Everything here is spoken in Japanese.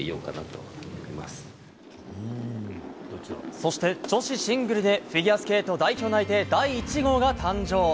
そして、女子シングルでフィギュアスケート代表内定第１号が誕生。